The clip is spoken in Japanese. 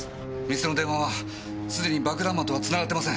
店の電話はすでに爆弾魔とは繋がってません。